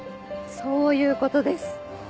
そういうことです。